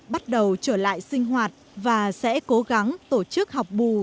bắt đầu trở lại sinh hoạt và sẽ cố gắng tổ chức học bù